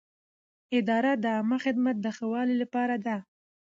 اداره د عامه خدمت د ښه والي لپاره ده.